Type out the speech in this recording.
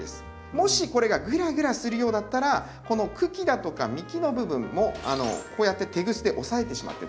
もしこれがグラグラするようだったらこの茎だとか幹の部分もこうやってテグスで押さえてしまって大丈夫です。